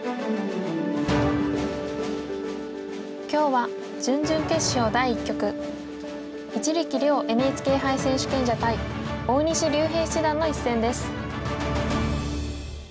今日は準々決勝第１局一力遼ＮＨＫ杯選手権者対大西竜平七段の一戦です。